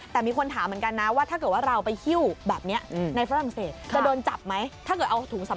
แต่มีคนถามเหมือนกันนะว่าถ้าเกิดว่าเราไปฮิวแบบเนี่ยในฝรั่งเศสจะโดนจับไหม